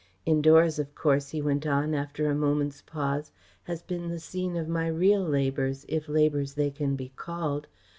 Indoors, of course," he went on, after a moment's pause, "has been the scene of my real labours, if labours they can be called.